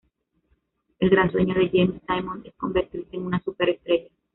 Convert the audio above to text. El gran sueño de James Diamond es convertirse en una super estrella.